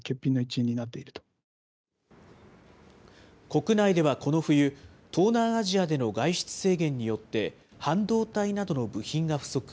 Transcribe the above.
国内ではこの冬、東南アジアでの外出制限によって、半導体などの部品が不足。